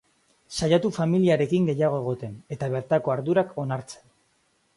Saiatu familiarekin gehiago egoten, eta bertako ardurak onartzen.